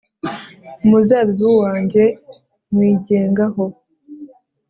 umuzabibu wanjye, nywigengaho